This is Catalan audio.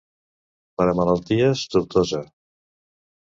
Per a malalties, Tortosa.